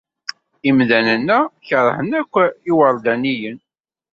Imdanen-a keṛhen akk iwerdaniyen.